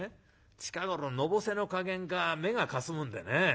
近頃のぼせの加減か目がかすむんでね